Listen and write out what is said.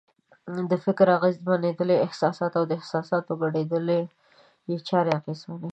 د فکر اغېزمنېدل یې احساسات او د احساساتو ګډوډېدل یې چارې اغېزمنوي.